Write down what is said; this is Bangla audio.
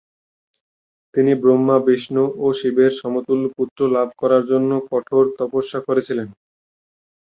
তিনি ব্রহ্মা, বিষ্ণু ও শিবের সমতুল্য পুত্র লাভ করার জন্য কঠোর তপস্যা করেছিলেন।